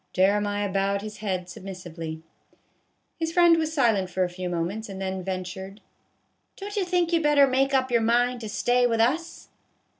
Jeremiah bowed his head submissively. His friend was silent for a few moments, and then ventured, " Don't you think you 'd better make up your mind to stay with us